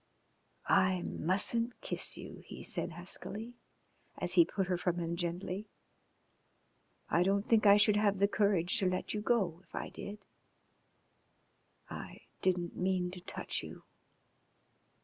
"I mustn't kiss you," he said huskily, as he put her from him gently. "I don't think I should have the courage to let you go if I did. I didn't mean to touch you."